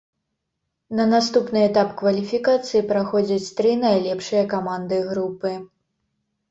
На наступны этап кваліфікацыі праходзяць тры найлепшыя каманды групы.